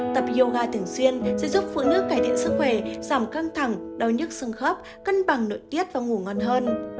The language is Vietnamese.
tập yoga thường xuyên sẽ giúp phụ nữ cải thiện sức khỏe giảm căng thẳng đau nhức xương khớp cân bằng nội tiết và ngủ ngon hơn